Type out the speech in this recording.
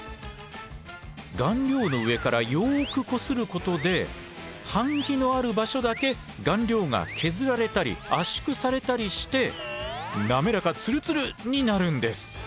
顔料の上からよくこすることで版木のある場所だけ顔料が削られたり圧縮されたりして滑らかツルツル！になるんです。